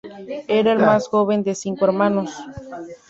Era el más joven de cinco hermanos.